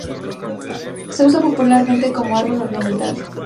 Se usa popularmente como árbol ornamental.